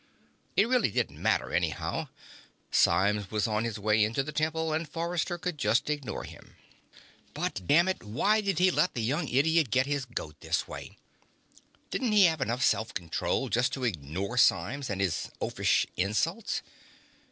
It really didn't matter, anyhow. Symes was on his way into the temple, and Forrester could just ignore him. But, damn it, why did he let the young idiot get his goat that way? Didn't he have enough self control just to ignore Symes and his oafish insults?